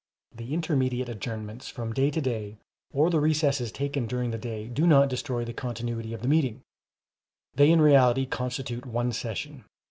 The intermediate adjournments from day to day, or the recesses taken during the day, do not destroy the continuity of the meeting—they in reality constitute one session.